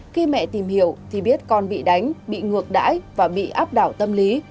khi mẹ tìm hiểu thì biết con bị đánh bị ngược đãi và bị áp đảo tâm lý